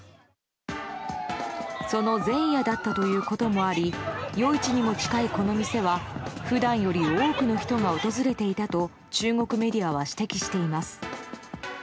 その前夜だったということもあり夜市にも近いこの店は普段より多くの人が訪れていたと中国メディアは指摘しています。